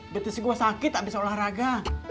betul sih gua sakit tak bisa olahraga